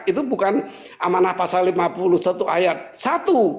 itu bukan amanah pasal lima puluh satu ayat satu